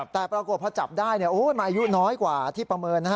แต่ปรากฏพอจับได้มันอายุน้อยกว่าที่ประเมิน